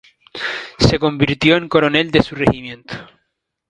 Se convirtió en coronel de su regimiento.